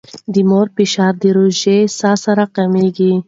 د مور فشار د ژورې ساه سره کمېږي.